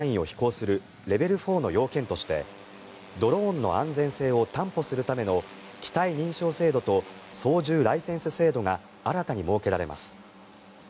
今日施行される改正航空法では人がいる上空で目視できない範囲を飛行するレベル４の要件としてドローンの安全性を担保するための機体認証制度と操縦ライセンス制度が新たに設けられます。